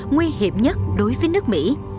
nguy hiểm nhất đối với nước mỹ